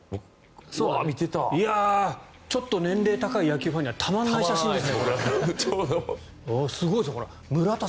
年齢高い野球ファンにはたまらない写真ですね。